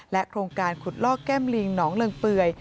โครงการขุดลอกแก้มลิงหนองเลิงเปื่อย